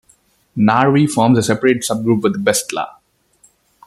Narvi forms a separate subgroup with Bestla.